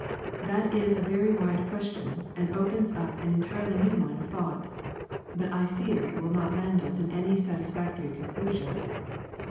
That is a very wide question, and opens up an entirely new line of thought. But I fear it will not land us in any satisfactory conclusion.